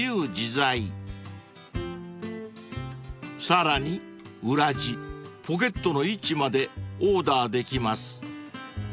［さらに裏地ポケットの位置までオーダーできます］